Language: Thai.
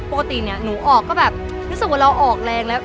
ปกติเนี่ยหนูออกก็แบบรู้สึกว่าเราออกแรงแล้ว